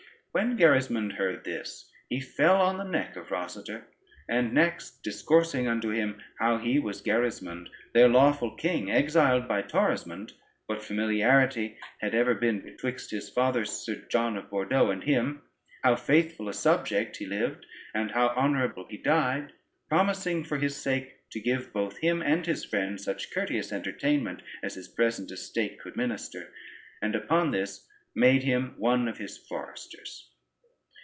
When Gerismond heard this, he fell on the neck of Rosader, and next discoursing unto him how he was Gerismond their lawful king exiled by Torismond, what familiarity had ever been betwixt his father, Sir John of Bordeaux, and him, how faithful a subject he lived, and how honorable he died, promising, for his sake, to give both him and his friend such courteous entertainment as his present estate could minister, and upon this made him one of his foresters.